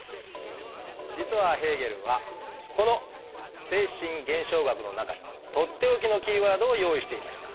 実はヘーゲルはこの「精神現象学」の中に取って置きのキーワードを用意していました。